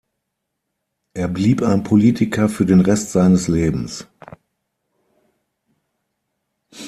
Er blieb ein Politiker für den Rest seines Lebens.